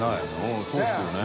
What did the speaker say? Δそうですよね。